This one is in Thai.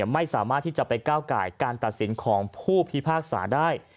ไม่สามารถที่จะไปก้าวไก่การตัดสินของผู้พิพากษาได้